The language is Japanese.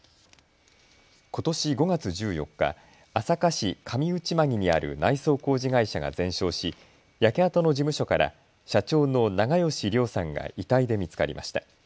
ことし５月１４日、朝霞市上内間木にある内装工事会社が全焼し焼け跡の事務所から社長の長葭良さんが遺体で見つかりました。